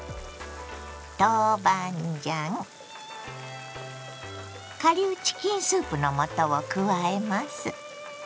豆板醤顆粒チキンスープの素を加えます。